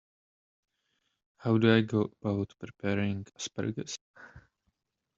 How do I go about preparing asparagus?